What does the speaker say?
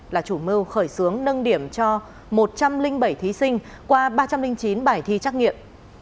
là chủ mưu khởi xướng nâng điểm cho một trăm linh bảy thí sinh qua ba trăm linh chín bài thi trắc nghiệm